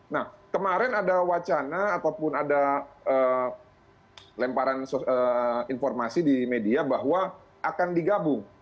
nah kemarin ada wacana ataupun ada lemparan informasi di media bahwa akan digabung